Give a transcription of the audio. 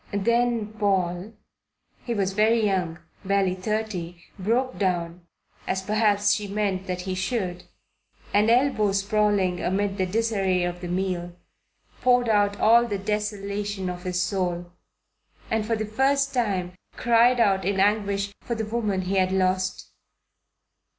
Then Paul he was very young, barely thirty broke down, as perhaps she meant that he should, and, elbows sprawling amid the disarray of the meal, poured out all the desolation of his soul, and for the first time cried out in anguish for the woman he had lost.